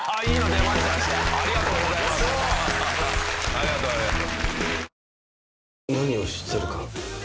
ありがとうありがとう。